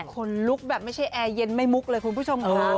คนลุกแบบไม่ใช่แอร์เย็นไม่มุกเลยคุณผู้ชมค่ะ